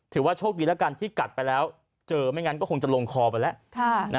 ถือว่าโชคดีแล้วกันที่กัดไปแล้วเจอไม่งั้นก็คงจะลงคอไปแล้ว